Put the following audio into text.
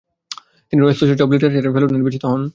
তিনি Royal Society of লিটারেচারের fellow নির্বাচিত হন।